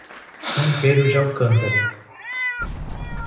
São Pedro de Alcântara